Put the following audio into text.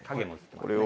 これを。